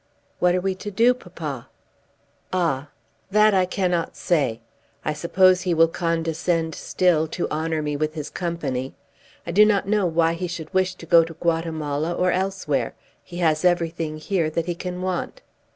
"What are we to do, papa?" "Ah; that I cannot say. I suppose he will condescend still to honour me with his company. I do not know why he should wish to go to Guatemala or elsewhere. He has everything here that he can want."